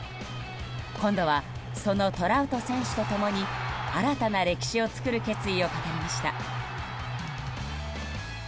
今度は、そのトラウト選手と共に新たな歴史を作る決意を語りました。